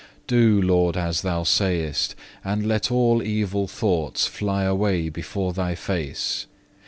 7. Do, Lord, as Thou sayest; and let all evil thoughts fly away before Thy face.